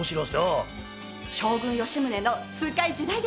将軍吉宗の痛快時代劇